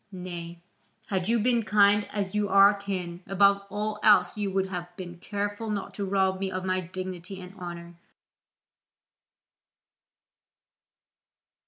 Nay, had you been kind as you are kin, above all else you would have been careful not to rob me of my dignity and honour.